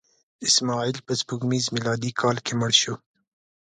اسماعیل په سپوږمیز میلادي کال کې مړ شو.